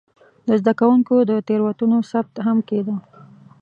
د زده کوونکو د تېروتنو ثبت هم کېده.